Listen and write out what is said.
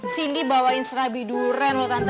cindy bawain serabi durian loh tante